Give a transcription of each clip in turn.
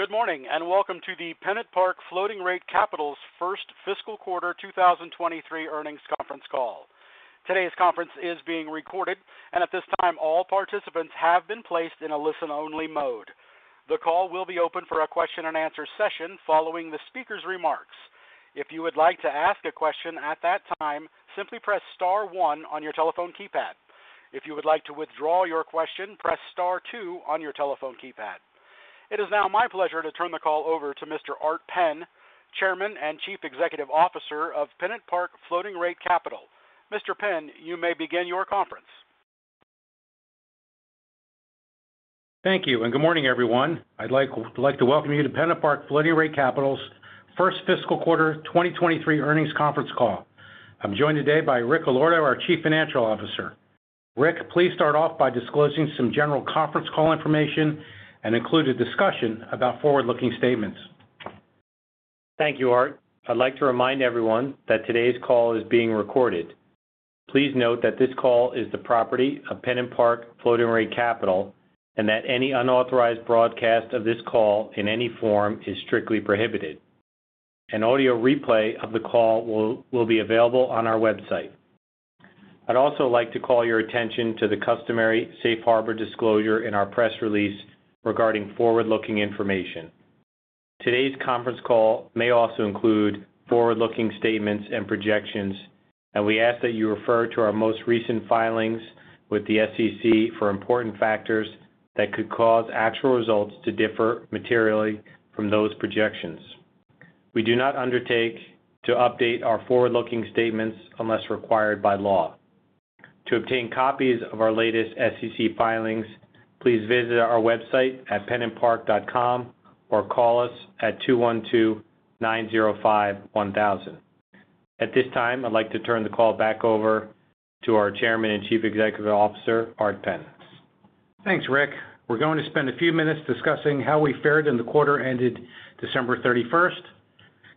Good morning, welcome to the PennantPark Floating Rate Capital Ltd.'s first fiscal quarter 2023 earnings conference call. Today's conference is being recorded, and at this time, all participants have been placed in a listen-only mode. The call will be open for a question-and-answer session following the speaker's remarks. If you would like to ask a question at that time, simply press star one on your telephone keypad. If you would like to withdraw your question, press star two on your telephone keypad. It is now my pleasure to turn the call over to Mr. Art Penn, Chairman and Chief Executive Officer of PennantPark Floating Rate Capital Ltd.. Mr. Penn, you may begin your conference. Thank you. Good morning, everyone. I'd like to welcome you to PennantPark Floating Rate Capital Ltd.'s first fiscal quarter 2023 earnings conference call. I'm joined today by Rick Allorto, our Chief Financial Officer. Rick, please start off by disclosing some general conference call information and include a discussion about forward-looking statements. Thank you, Art. I'd like to remind everyone that today's call is being recorded. Please note that this call is the property of PennantPark Floating Rate Capital Ltd., that any unauthorized broadcast of this call in any form is strictly prohibited. An audio replay of the call will be available on our website. I'd also like to call your attention to the customary safe harbor disclosure in our press release regarding forward-looking information. Today's conference call may also include forward-looking statements and projections, We ask that you refer to our most recent filings with the SEC for important factors that could cause actual results to differ materially from those projections. We do not undertake to update our forward-looking statements unless required by law. To obtain copies of our latest SEC filings, please visit our website at pennantpark.com or call us at 212-905-1000. At this time, I'd like to turn the call back over to our Chairman and Chief Executive Officer, Art Penn. Thanks, Rick. We're going to spend a few minutes discussing how we fared in the quarter ended December 31st,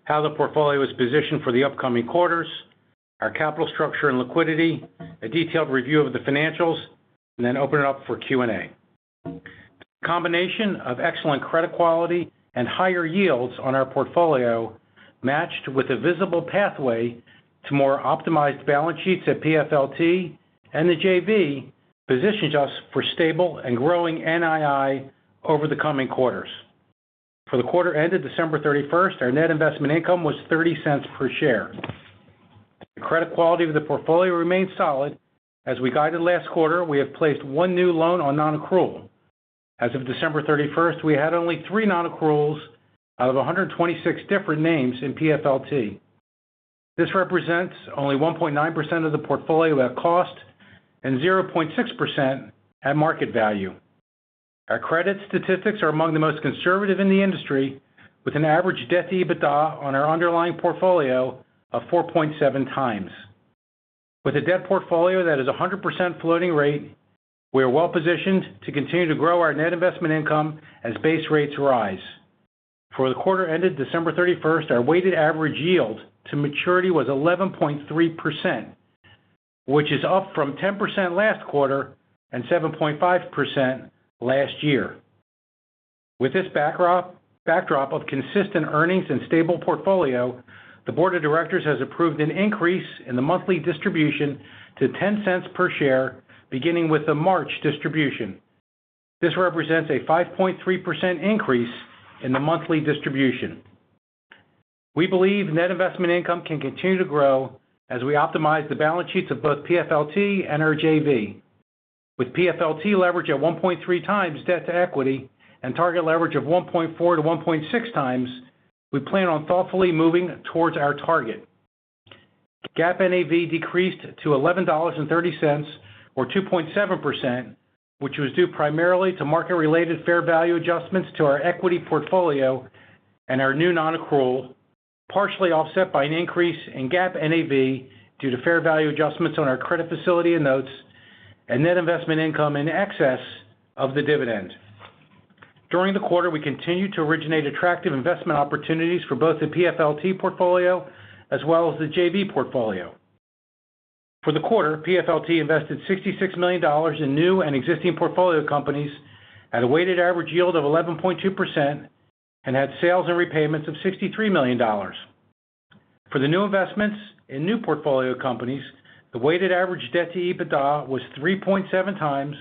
how the portfolio is positioned for the upcoming quarters, our capital structure and liquidity, a detailed review of the financials. Then open it up for Q&A. Combination of excellent credit quality and higher yields on our portfolio matched with a visible pathway to more optimized balance sheets at PFLT and the JV positions us for stable and growing NII over the coming quarters. For the quarter ended December 31st, our net investment income was $0.30 per share. The credit quality of the portfolio remains solid. As we guided last quarter, we have placed one new loan on non-accrual. As of December 31st, we had only three non-accruals out of 126 different names in PFLT. This represents only 1.9% of the portfolio at cost and 0.6% at market value. Our credit statistics are among the most conservative in the industry, with an average debt-to-EBITDA on our underlying portfolio of 4.7x. With a debt portfolio that is 100% floating rate, we are well-positioned to continue to grow our net investment income as base rates rise. For the quarter ended December 31st, our weighted average yield to maturity was 11.3%, which is up from 10% last quarter and 7.5% last year. With this backdrop of consistent earnings and stable portfolio, the board of directors has approved an increase in the monthly distribution to $0.10 per share beginning with the March distribution. This represents a 5.3% increase in the monthly distribution. We believe net investment income can continue to grow as we optimize the balance sheets of both PFLT and our JV. With PFLT leverage at 1.3x debt-to-equity and target leverage of 1.4x to 1.6x, we plan on thoughtfully moving towards our target. GAAP NAV decreased to $11.30 or 2.7%, which was due primarily to market-related fair value adjustments to our equity portfolio and our new non-accrual, partially offset by an increase in GAAP NAV due to fair value adjustments on our credit facility and notes and net investment income in excess of the dividend. During the quarter, we continued to originate attractive investment opportunities for both the PFLT portfolio as well as the JV portfolio. For the quarter, PFLT invested $66 million in new and existing portfolio companies at a weighted average yield of 11.2% and had sales and repayments of $63 million. For the new investments in new portfolio companies, the weighted average debt-to-EBITDA was 3.7x,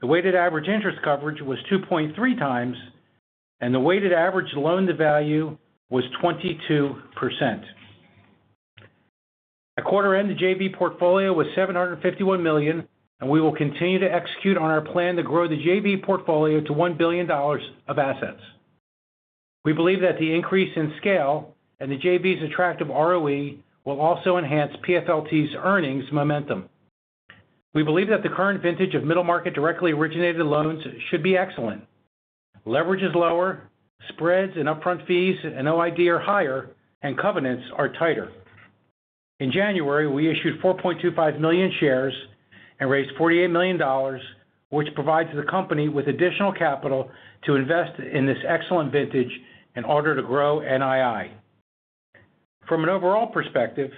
the weighted average interest coverage was 2.3x, and the weighted average loan-to-value was 22%. At quarter end, the JV portfolio was $751 million. We will continue to execute on our plan to grow the JV portfolio to $1 billion of assets. We believe that the increase in scale and the JV's attractive ROE will also enhance PFLT's earnings momentum. We believe that the current vintage of middle market directly originated loans should be excellent. Leverage is lower, spreads and upfront fees and OID are higher. Covenants are tighter. In January, we issued 4.25 million shares and raised $48 million, which provides the company with additional capital to invest in this excellent vintage in order to grow NII. From an overall perspective,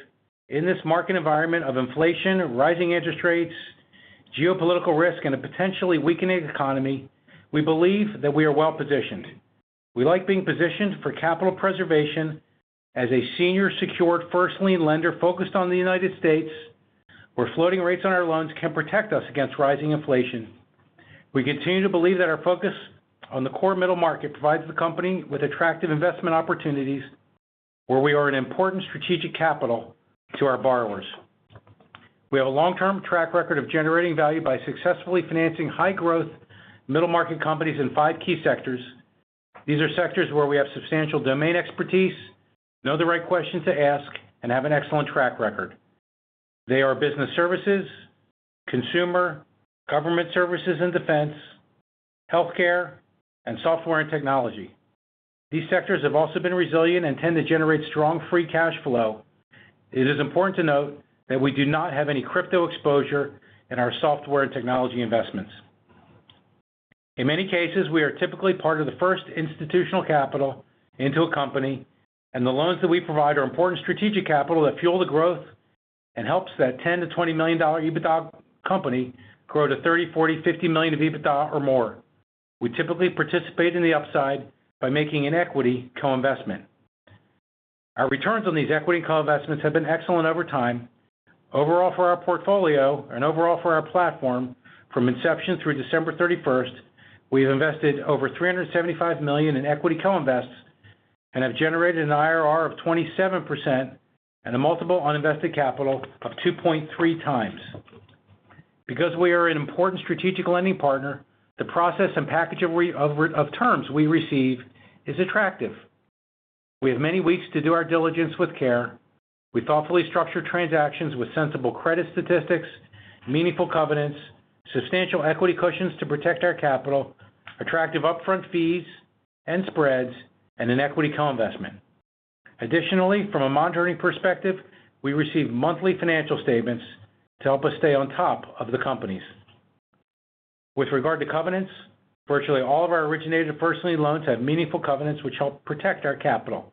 in this market environment of inflation, rising interest rates, geopolitical risk, and a potentially weakening economy, we believe that we are well-positioned. We like being positioned for capital preservation as a senior secured first lien lender focused on the United States, where floating rates on our loans can protect us against rising inflation. We continue to believe that our focus on the core middle market provides the company with attractive investment opportunities where we are an important strategic capital to our borrowers. We have a long-term track record of generating value by successfully financing high growth middle market companies in five key sectors. These are sectors where we have substantial domain expertise, know the right questions to ask, and have an excellent track record. They are business services, consumer, government services and defense, healthcare, and software and technology. These sectors have also been resilient and tend to generate strong free cash flow. It is important to note that we do not have any crypto exposure in our software and technology investments. In many cases, we are typically part of the first institutional capital into a company, and the loans that we provide are important strategic capital that fuel the growth and helps that $10 million to $20 million EBITDA company grow to $30 million, $40 million, $50 million of EBITDA or more. We typically participate in the upside by making an equity co-investment. Our returns on these equity co-investments have been excellent over time. Overall for our portfolio and overall for our platform from inception through December 31st, we have invested over $375 million in equity co-invests and have generated an IRR of 27% and a multiple on invested capital of 2.3x. Because we are an important strategic lending partner, the process and package of terms we receive is attractive. We have many weeks to do our diligence with care. We thoughtfully structure transactions with sensible credit statistics, meaningful covenants, substantial equity cushions to protect our capital, attractive upfront fees and spreads, and an equity co-investment. Additionally, from a monitoring perspective, we receive monthly financial statements to help us stay on top of the companies. With regard to covenants, virtually all of our originated PSSL loans have meaningful covenants which help protect our capital.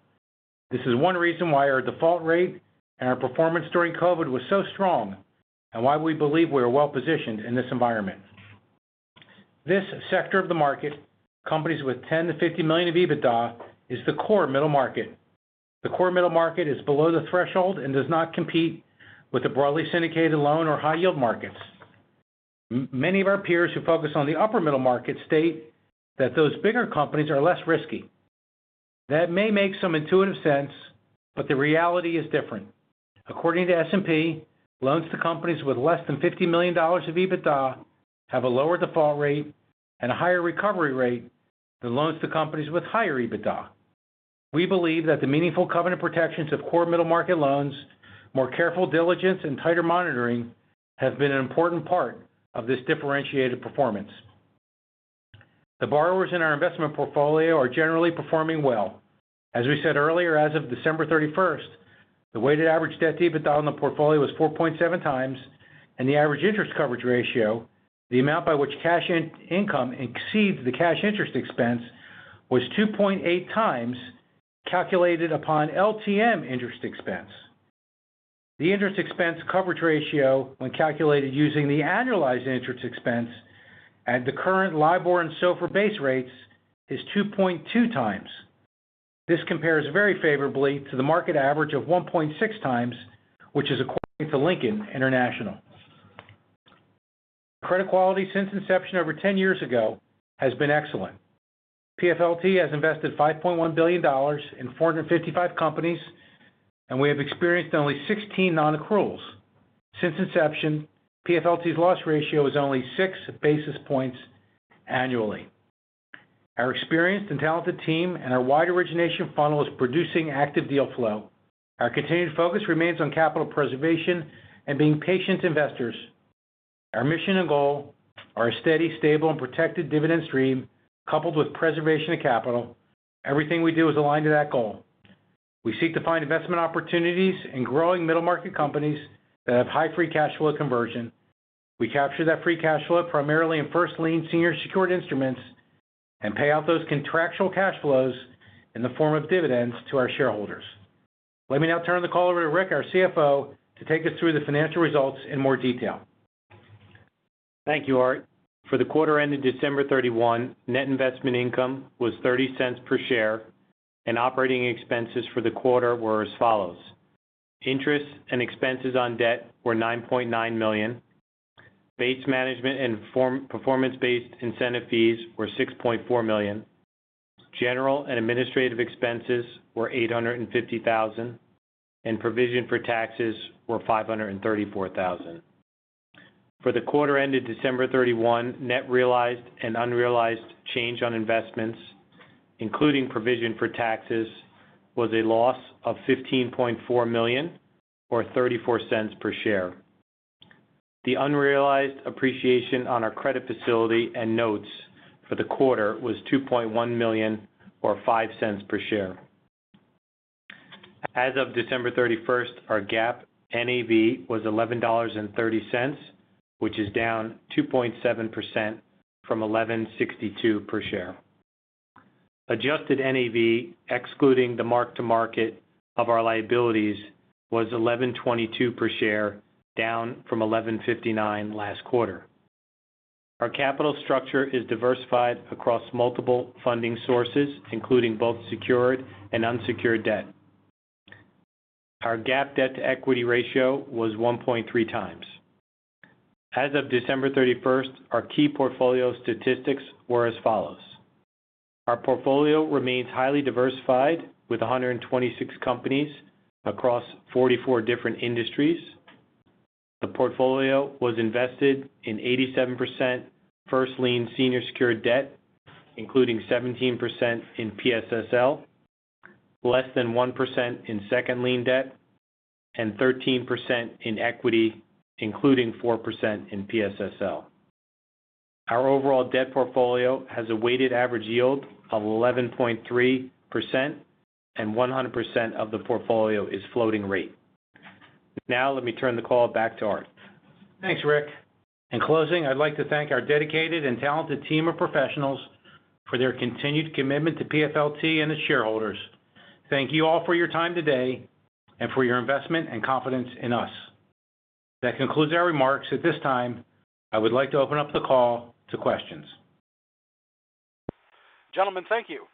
This is one reason why our default rate and our performance during COVID was so strong, and why we believe we are well-positioned in this environment. This sector of the market, companies with $10 million to $50 million of EBITDA is the core middle market. The core middle market is below the threshold and does not compete with the broadly syndicated loan or high yield markets. Many of our peers who focus on the upper middle market state that those bigger companies are less risky. That may make some intuitive sense, but the reality is different. According to S&P, loans to companies with less than $50 million of EBITDA have a lower default rate and a higher recovery rate than loans to companies with higher EBITDA. We believe that the meaningful covenant protections of core middle market loans, more careful diligence and tighter monitoring have been an important part of this differentiated performance. The borrowers in our investment portfolio are generally performing well. As we said earlier, as of December 31st, the weighted average debt-to-EBITDA on the portfolio was 4.7x, and the average interest coverage ratio, the amount by which cash in-income exceeds the cash interest expense, was 2.8x calculated upon LTM interest expense. The interest expense coverage ratio when calculated using the annualized interest expense at the current LIBOR and SOFR base rates is 2.2x. This compares very favorably to the market average of 1.6x, which is according to Lincoln International. Credit quality since inception over 10 years ago has been excellent. PFLT has invested $5.1 billion in 455 companies. We have experienced only 16 non-accruals. Since inception, PFLT's loss ratio is only 6 basis points annually. Our experienced and talented team and our wide origination funnel is producing active deal flow. Our continued focus remains on capital preservation and being patient investors. Our mission and goal are a steady, stable, and protected dividend stream, coupled with preservation of capital. Everything we do is aligned to that goal. We seek to find investment opportunities in growing middle market companies that have high free cash flow conversion. We capture that free cash flow primarily in first lien senior secured instruments and pay out those contractual cash flows in the form of dividends to our shareholders. Let me now turn the call over to Rick, our CFO, to take us through the financial results in more detail. Thank you, Art. For the quarter ended December 31, net investment income was $0.30 per share and operating expenses for the quarter were as follows: interests and expenses on debt were $9.9 million. Base management and performance-based incentive fees were $6.4 million. General and administrative expenses were $850,000. Provision for taxes were $534,000. For the quarter ended December 31, net realized and unrealized change on investments, including provision for taxes, was a loss of $15.4 million or $0.34 per share. The unrealized appreciation on our credit facility and notes for the quarter was $2.1 million or $0.05 per share. As of December 31st, our GAAP NAV was $11.30, which is down 2.7% from $11.62 per share. Adjusted NAV, excluding the mark-to-market of our liabilities, was $11.22 per share, down from $11.59 last quarter. Our capital structure is diversified across multiple funding sources, including both secured and unsecured debt. Our GAAP debt-to-equity ratio was 1.3x. As of December 31st, our key portfolio statistics were as follows: Our portfolio remains highly diversified with 126 companies across 44 different industries. The portfolio was invested in 87% first lien senior secured debt, including 17% in PSSL, less than 1% in second lien debt, and 13% in equity, including 4% in PSSL. Our overall debt portfolio has a weighted average yield of 11.3%, and 100% of the portfolio is floating rate. Now let me turn the call back to Art. Thanks, Rick. In closing, I'd like to thank our dedicated and talented team of professionals for their continued commitment to PFLT and its shareholders. Thank you all for your time today and for your investment and confidence in us. That concludes our remarks. At this time, I would like to open up the call to questions. Gentlemen, thank you.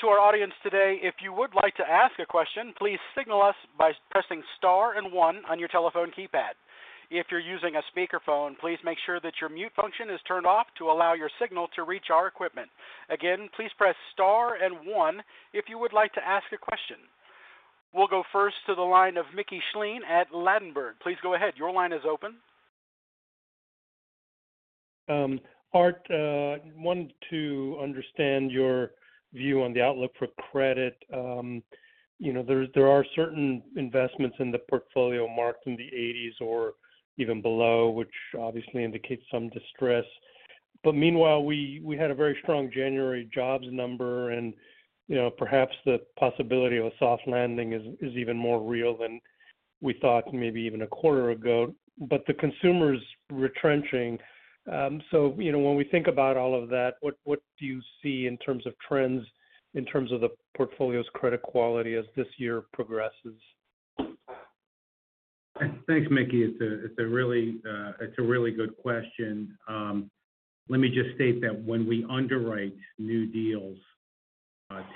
To our audience today, if you would like to ask a question, please signal us by pressing star and one on your telephone keypad. If you're using a speakerphone, please make sure that your mute function is turned off to allow your signal to reach our equipment. Again, please press star and one if you would like to ask a question. We'll go first to the line of Mickey Schleien at Ladenburg. Please go ahead. Your line is open. Art, wanted to understand your view on the outlook for credit. You know, there are certain investments in the portfolio marked in the eighties or even below, which obviously indicates some distress. Meanwhile, we had a very strong January jobs number and, you know, perhaps the possibility of a soft landing is even more real than we thought maybe even a quarter ago. The consumer's retrenching. You know, when we think about all of that, what do you see in terms of trends in terms of the portfolio's credit quality as this year progresses? Thanks, Mickey. It's a really good question. Let me just state that when we underwrite new deals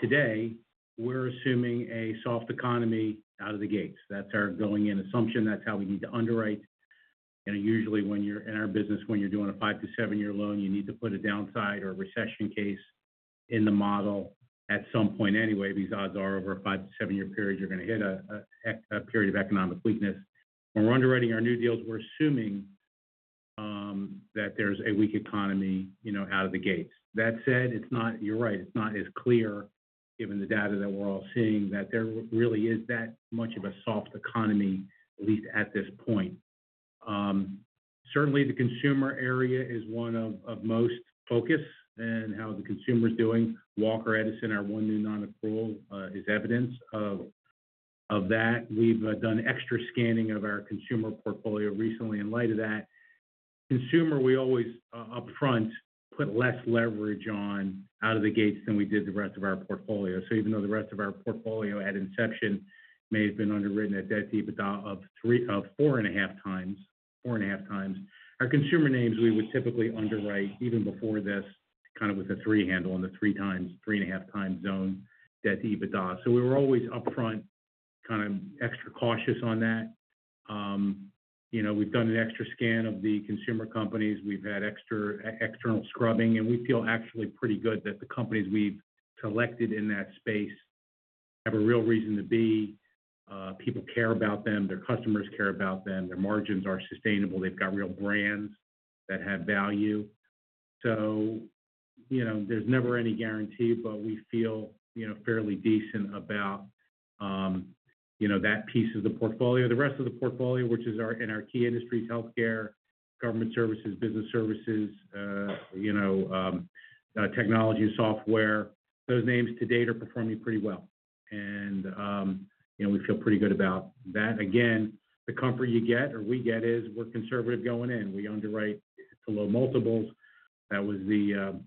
today we're assuming a soft economy out of the gates. That's our going-in assumption. That's how we need to underwrite. Usually when you're in our business, when you're doing a 5-7-year loan, you need to put a downside or a recession case in the model at some point anyway, because odds are over a 5-7-year period, you're gonna hit a period of economic weakness. When we're underwriting our new deals, we're assuming that there's a weak economy, you know, out of the gates. That said, it's not. You're right, it's not as clear, given the data that we're all seeing, that there really is that much of a soft economy, at least at this point. Certainly the consumer area is one of most focus and how the consumer is doing. Walker Edison, our 1 new non-accrual, is evidence of that. We've done extra scanning of our consumer portfolio recently in light of that. Consumer, we always upfront put less leverage on out of the gates than we did the rest of our portfolio. Even though the rest of our portfolio at inception may have been underwritten at debt to EBITDA of 4.5x, our consumer names we would typically underwrite even before this kind of with a three handle on the 3x, 3.5x zone debt to EBITDA. We were always upfront, kind of extra cautious on that. You know, we've done an extra scan of the consumer companies. We've had external scrubbing, we feel actually pretty good that the companies we've collected in that space have a real reason to be. People care about them. Their customers care about them. Their margins are sustainable. They've got real brands that have value. You know, there's never any guarantee, but we feel, you know, fairly decent about, you know, that piece of the portfolio. The rest of the portfolio, which is in our key industries, healthcare, government services, business services, you know, technology and software, those names to date are performing pretty well. You know, we feel pretty good about that. Again, the comfort you get or we get is we're conservative going in. We underwrite to low multiples. That was the,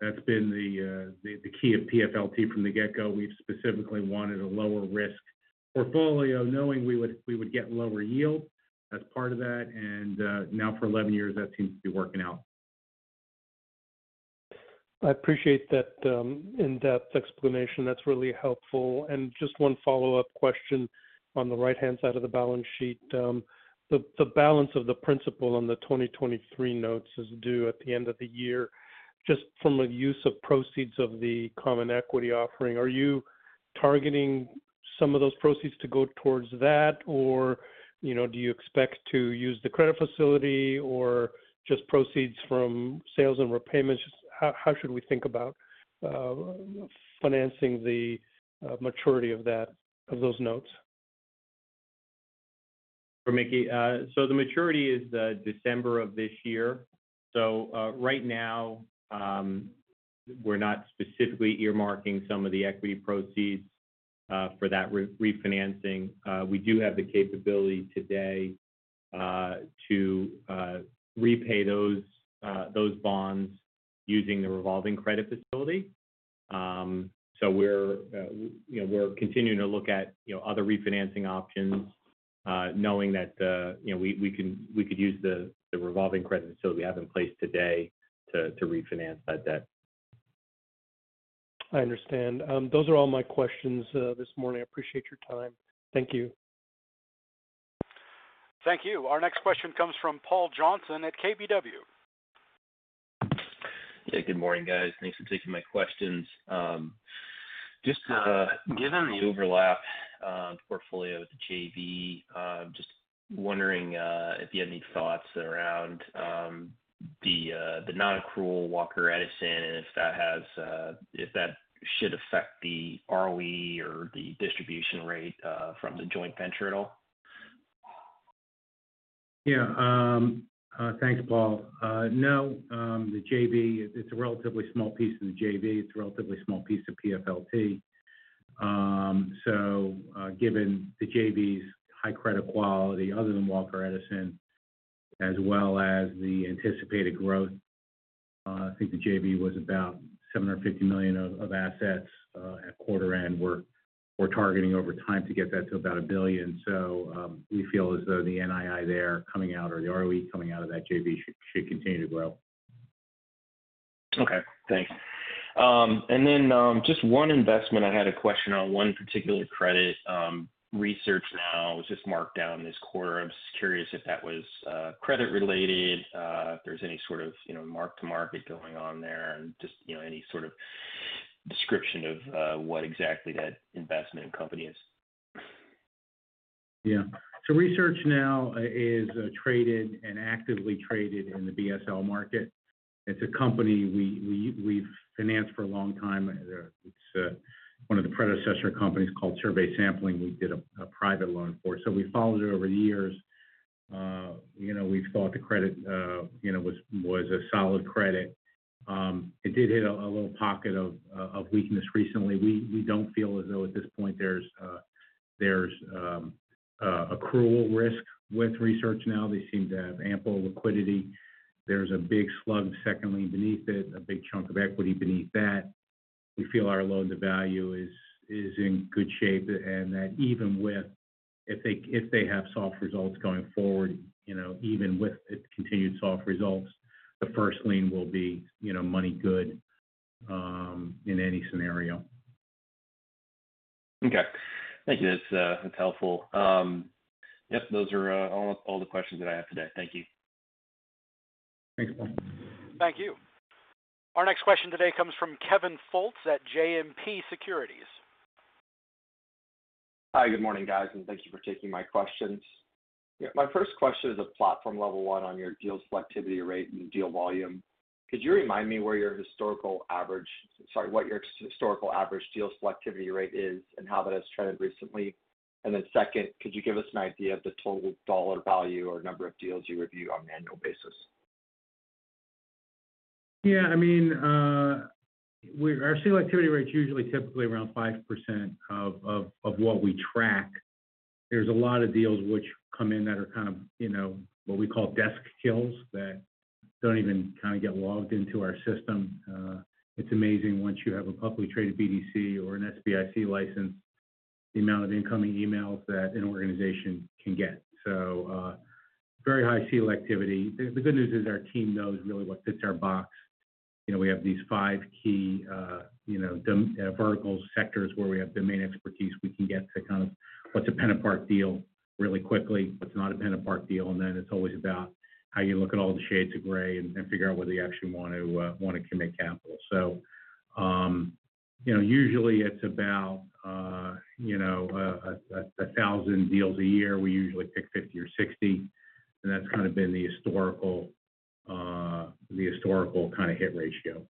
that's been the key of PFLT from the get-go. We've specifically wanted a lower risk portfolio, knowing we would get lower yield as part of that. Now for 11 years, that seems to be working out. I appreciate that, in-depth explanation. That's really helpful. Just one follow-up question. On the right-hand side of the balance sheet, the balance of the principal on the 2023 notes is due at the end of the year. Just from a use of proceeds of the common equity offering, are you targeting some of those proceeds to go towards that? Or, you know, do you expect to use the credit facility or just proceeds from sales and repayments? How should we think about financing the maturity of that, of those notes? For Mickey. The maturity is the December of this year. Right now, we're not specifically earmarking some of the equity proceeds for that refinancing. We do have the capability today to repay those bonds using the revolving credit facility. We're, you know, we're continuing to look at, you know, other refinancing options, knowing that, you know, we could use the revolving credit facility we have in place today to refinance that debt. I understand. Those are all my questions this morning. I appreciate your time. Thank you. Thank you. Our next question comes from Paul Johnson at KBW. Good morning, guys. Thanks for taking my questions. Just given the overlap portfolio with the JV, just wondering if you had any thoughts around the non-accrual Walker Edison, and if that should affect the ROE or the distribution rate from the joint venture at all? Yeah. Thanks, Paul. No, the JV, it's a relatively small piece of the JV. It's a relatively small piece of PFLT. Given the JV's high credit quality other than Walker Edison, as well as the anticipated growth, I think the JV was about $7 or $50 million of assets at quarter end. We're targeting over time to get that to about $1 billion. We feel as though the NII there coming out or the ROE coming out of that JV should continue to grow. Okay. Thanks. Just one investment. I had a question on one particular credit, Research Now. It was just marked down this quarter. I'm just curious if that was credit related, if there's any sort of, you know, mark to market going on there and just, you know, any sort of description of what exactly that investment company is? Research Now is traded and actively traded in the BSL market. It's a company we've financed for a long time. It's one of the predecessor companies called Survey Sampling. We did a private loan for, we followed it over the years. You know, we thought the credit, you know, was a solid credit. It did hit a little pocket of weakness recently. We don't feel as though at this point there's accrual risk with Research Now. They seem to have ample liquidity. There's a big slug of second lien beneath it and a big chunk of equity beneath that. We feel our loan-to-value is in good shape, and that even with if they have soft results going forward, you know, even with its continued soft results, the first lien will be, you know, money good, in any scenario. Okay. Thank you. That's helpful. Yep, those are all the questions that I have today. Thank you. Thanks, Paul. Thank you. Our next question today comes from Kevin Fultz at JMP Securities. Hi. Good morning, guys. Thank you for taking my questions. My first question is a platform level one on your deal selectivity rate and deal volume. Could you remind me what your historical average deal selectivity rate is and how that has trended recently? Second, could you give us an idea of the total dollar value or number of deals you review on an annual basis? Yeah. I mean, our deal activity rate's usually typically around 5% of what we track. There's a lot of deals which come in that are kind of, you know, what we call desk kills that don't even kind of get logged into our system. It's amazing once you have a publicly traded BDC or an SBIC license, the amount of incoming emails that an organization can get. Very high seal activity. The good news is our team knows really what fits our box. You know, we have these five key, you know, vertical sectors where we have domain expertise. We can get to kind of what's a PennantPark deal really quickly, what's not a PennantPark deal, and then it's always about how you look at all the shades of gray and figure out whether you actually want to, wanna commit capital. You know, usually it's about, you know, 1,000 deals a year. We usually pick 50 or 60, and that's kind of been the historical, the historical kind of hit ratio.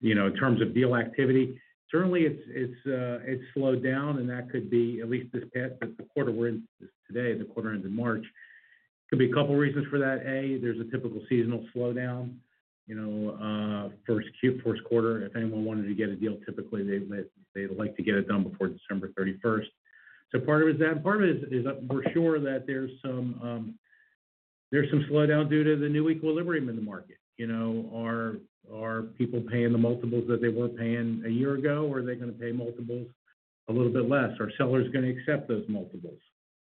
You know, in terms of deal activity, certainly it's slowed down and that could be at least this past the quarter we're in today, the quarter ends in March. Could be a couple reasons for that. One, there's a typical seasonal slowdown. You know, Q1, if anyone wanted to get a deal, typically they'd like to get it done before December 31st. Part of it's that. Part of it is, we're sure that there's some slowdown due to the new equilibrium in the market. You know, are people paying the multiples that they were paying a year ago or are they gonna pay multiples a little bit less? Are sellers gonna accept those multiples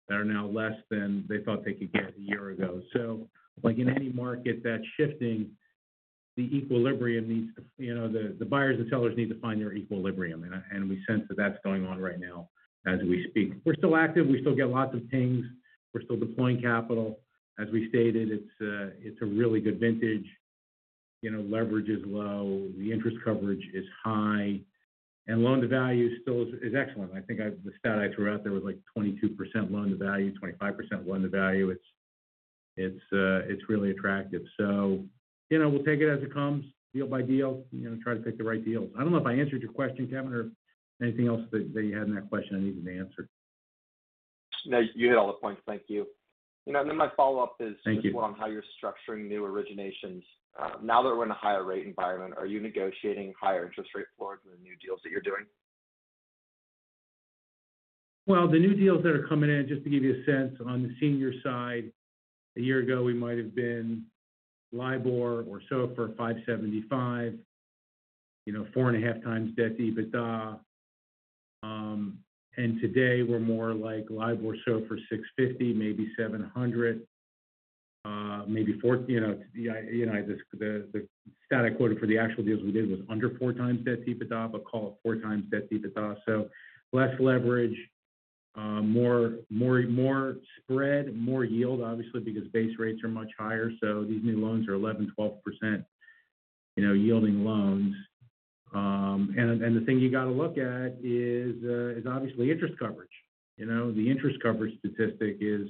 that are now less than they thought they could get a year ago? Like in any market that's shifting, the equilibrium needs to, you know, the buyers and sellers need to find their equilibrium, and we sense that that's going on right now as we speak. We're still active. We still get lots of pings. We're still deploying capital. As we stated, it's a really good vintage. You know, leverage is low, the interest coverage is high, and loan-to-value still is excellent. I think the stat I threw out there was like 22% loan-to-value, 25% loan-to-value. It's, it's really attractive. You know, we'll take it as it comes deal by deal, you know, try to pick the right deals. I don't know if I answered your question, Kevin, or anything else that you had in that question I needed to answer. No, you hit all the points. Thank you. You know, my follow-up is... Thank you. ...just on how you're structuring new originations. now that we're in a higher rate environment, are you negotiating higher interest rate floors in the new deals that you're doing? The new deals that are coming in, just to give you a sense on the senior side, a year ago, we might have been LIBOR or SOFR 575. You know, 4.5x debt to EBITDA. Today we're more like LIBOR, SOFR 650, maybe 700. You know, the stat I quoted for the actual deals we did was under 4x debt to EBITDA, but call it 4x debt to EBITDA. Less leverage, more spread, more yield obviously, because base rates are much higher. These new loans are 11%-12%, you know, yielding loans. The thing you gotta look at is obviously interest coverage. You know, the interest coverage statistic is,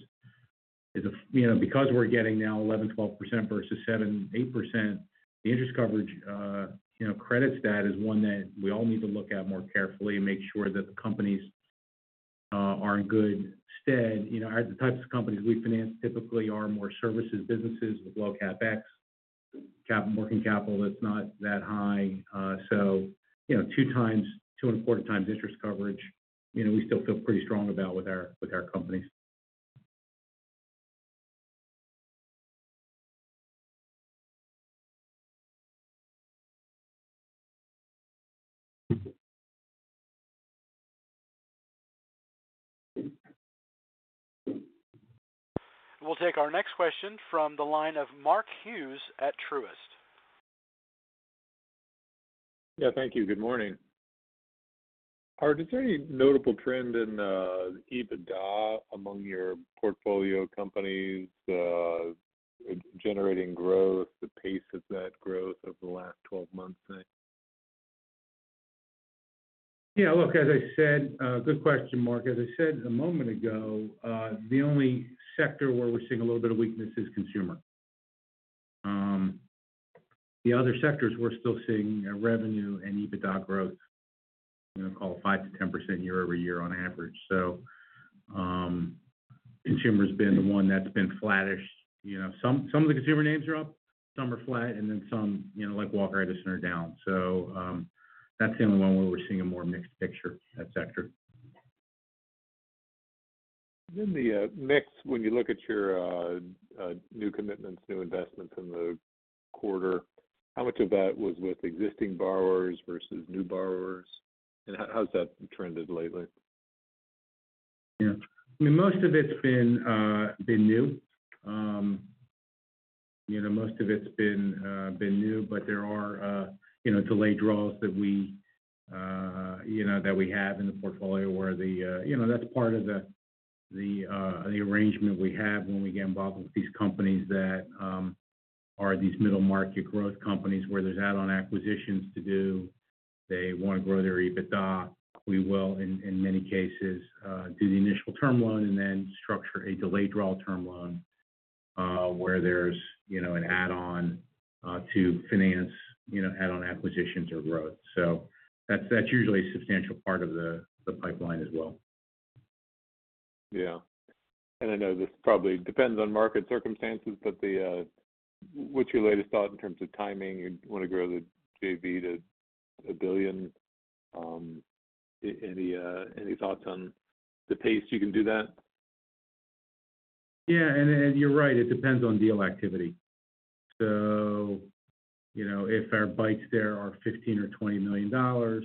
you know, because we're getting now 11%, 12% versus 7%, 8%, the interest coverage, you know, credit stat is one that we all need to look at more carefully and make sure that the companies are in good stead. You know, the types of companies we finance typically are more services businesses with low CapEx, working capital that's not that high. You know, 2x, 2.25x interest coverage, you know, we still feel pretty strong about with our companies. We'll take our next question from the line of Mark Hughes at Truist. Yeah, thank you. Good morning. Art, is there any notable trend in EBITDA among your portfolio companies, generating growth, the pace of that growth over the last 12 months, say? Yeah, look, as I said... Good question, Mark. As I said a moment ago, the only sector where we're seeing a little bit of weakness is consumer. The other sectors, we're still seeing a revenue and EBITDA growth, you know, call it 5% to 10% year-over-year on average. Consumer's been the one that's been flattish. You know, some of the consumer names are up, some are flat, and then some, you know, like Walker Edison, are down. That's the only one where we're seeing a more mixed picture that sector. The mix, when you look at your new commitments, new investments in the quarter, how much of that was with existing borrowers versus new borrowers? How's that trended lately? Yeah. I mean, most of it's been new. You know, most of it's been new, but there are, you know, delayed draws that we, you know, that we have in the portfolio where that's part of the arrangement we have when we get involved with these companies that are these middle market growth companies where there's add-on acquisitions to do. They wanna grow their EBITDA. We will, in many cases, do the initial term loan and then structure a delayed draw term loan, where there's, you know, an add-on to finance, you know, add-on acquisitions or growth. That's usually a substantial part of the pipeline as well. Yeah. I know this probably depends on market circumstances, but what's your latest thought in terms of timing? You wanna grow the JV to $1 billion. Any thoughts on the pace you can do that? You're right. It depends on deal activity. You know, if our bites there are $15 million or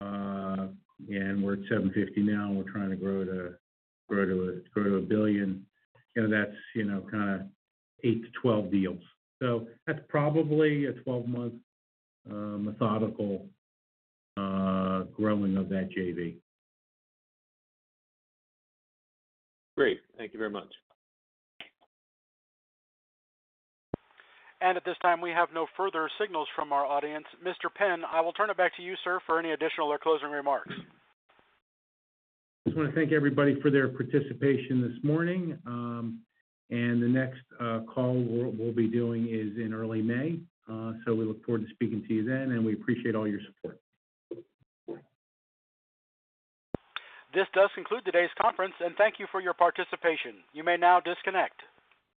$20 million, and we're at $750 million now and we're trying to grow to a $1 billion, you know, that's, you know, kinda eight to 12 deals. That's probably a 12-month, methodical, growing of that JV. Great. Thank you very much. At this time, we have no further signals from our audience. Mr. Penn, I will turn it back to you, sir, for any additional or closing remarks. Just wanna thank everybody for their participation this morning. The next call we'll be doing is in early May. We look forward to speaking to you then, and we appreciate all your support. This does conclude today's conference, and thank you for your participation. You may now disconnect.